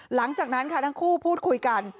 หลังจากนั้นค่ะทั้งคู่พูดคุยกัน